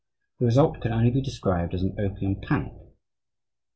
The result can only be described as an opium panic.